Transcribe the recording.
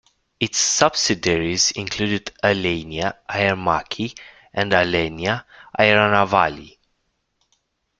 Its subsidiaries included Alenia Aermacchi and Alenia Aeronavali.